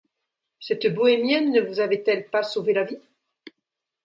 Cette bohémienne ne vous avait-elle pas sauvé la vie?